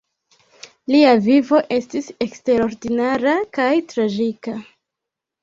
Lia vivo estis eksterordinara kaj tragika.